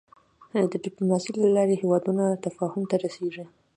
د د ډيپلوماسی له لارې هېوادونه تفاهم ته رسېږي.